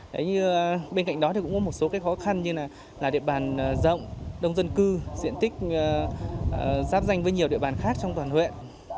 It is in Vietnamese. đấy như bên cạnh đó thì cũng có một số cái khó khăn như là địa bàn rộng đông dân cư diện tích giáp danh với nhiều địa bàn khác trong toàn huyện